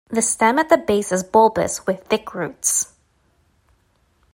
The stem at the base is bulbous, with thick roots.